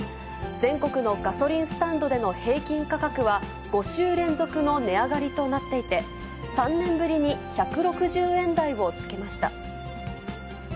全国のガソリンスタンドでの平均価格は、５週連続の値上がりとなっていて、３年ぶりに１６０円台をつけました。